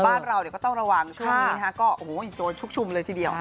บ้านเราก็ต้องระวังช่วงนี้นะฮะก็โอ้โหโจรชุกชุมเลยทีเดียว